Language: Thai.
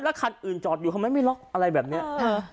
แล้วคันอื่นจอดอยู่เขาไม่ไม่ล็อกอะไรแบบเนี้ยอืม